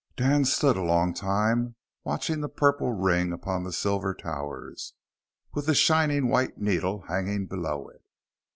Dan stood a long time, watching the purple ring upon the silver towers, with the shining white needle hanging below it.